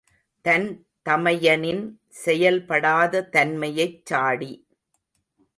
தன் தமையனின் செயல்படாத தன்மையைச் சாடி.